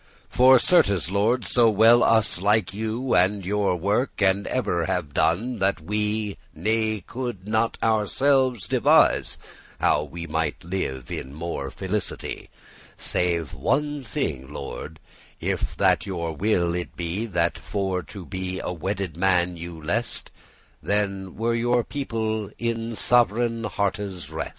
* *as pleaseth you* "For certes, Lord, so well us like you And all your work, and ev'r have done, that we Ne coulde not ourselves devise how We mighte live in more felicity: Save one thing, Lord, if that your will it be, That for to be a wedded man you lest; Then were your people *in sovereign hearte's rest.